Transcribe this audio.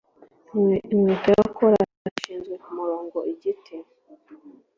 Inkweto ya coarse yashizwe kumurongo igiti